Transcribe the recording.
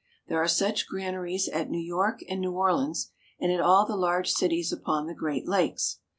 There are such granaries at New York and New Orleans, and at all the large cities upon the Great Lakes.